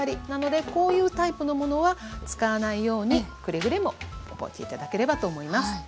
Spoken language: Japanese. なのでこういうタイプのものは使わないようにくれぐれも覚えて頂ければと思います。